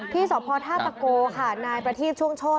ที่สพท่าตะโกค่ะนายประทีบช่วงโชธ